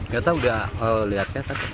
gak tahu udah lihat saya takut